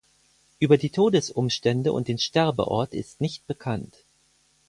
Über die Todesumstände und den Sterbeort ist nicht bekannt.